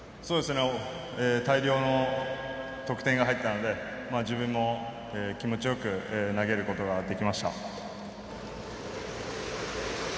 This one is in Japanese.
大量の得点が入ったので自分も、気持ちよく投げることができました。